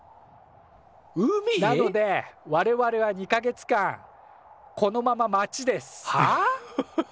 なので我々は２か月間このまま待ちです。